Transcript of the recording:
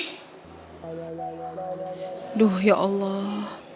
aduh ya allah